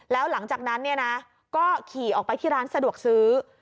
แล้วหลังจากนั้นเนี่ยนะก็ขี่ออกไปที่ร้านสะดวกซื้อ